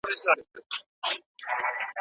نن به یې ستره او سنګینه تنه